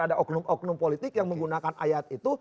ada oknum oknum politik yang menggunakan ayat itu